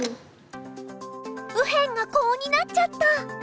右辺がコウになっちゃった！